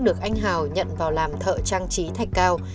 được anh hào nhận vào làm thợ trang trí thạch cao